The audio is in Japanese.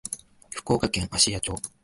福岡県芦屋町